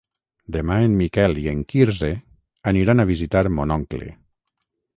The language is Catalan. Demà en Miquel i en Quirze aniran a visitar mon oncle.